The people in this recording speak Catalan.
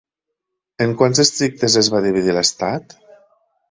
En quants districtes es va dividir l'estat?